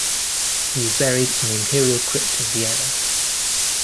He is buried in the Imperial Crypt in Vienna.